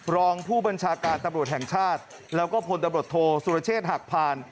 รองผู้บัญชาการตำรวจแห่งชาติแล้วก็พลตำรวจโทสุรเชษฐ์หักผ่าน